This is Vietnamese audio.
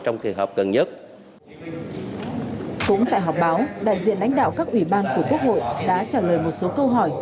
cũng tại họp báo đại diện đánh đạo các ủy ban của quốc hội đã trả lời một số câu hỏi